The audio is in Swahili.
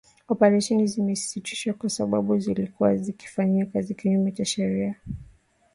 Operesheni zimesitishwa kwa sababu zilikuwa zikifanya kazi kinyume cha sheria